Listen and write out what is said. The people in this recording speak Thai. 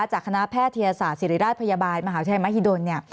จากคณะแพทยศาสตร์ศิริราชพยาบาลมหาวิทยาลัยมหิดล